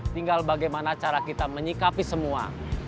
tinggal bagaimana cara kita menyikapi semua